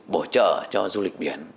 bổ trợ cho du lịch biển